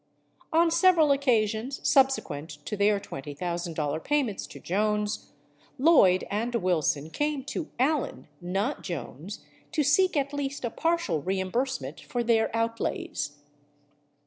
On several occasions subsequent to their $20,000 payments to J ones, Lloyd, and Wilson came to Allen — not Jones — to seek at least a partial reimbursement for their outlays.